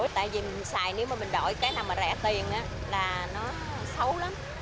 tại vì mình xài nếu mà mình đổi cái nào mà rẻ tiền á là nó xấu lắm